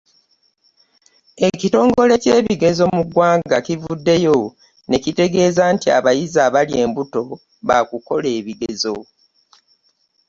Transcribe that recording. Ekitongole ky'ebigezo mu ggwanga kivuddeyo ne kitegeeza nti abayizi abali embuto ba kukola ebigezo